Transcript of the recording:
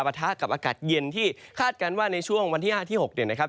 ประทะกับอากาศเย็นที่คาดการณ์ว่าในช่วงวันที่๕ที่๖เนี่ยนะครับ